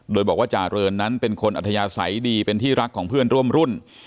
โดยบอกว่าจาเรินนั้นเป็นคนอัธยาศัยดีเป็นที่รักของเพื่อนร่วมรุ่น